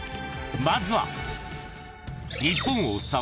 ［まずは］